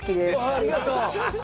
ああありがとう！